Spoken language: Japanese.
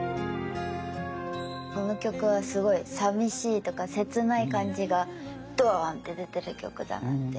この曲はすごいさみしいとか切ない感じがドーンって出てる曲だなって思います。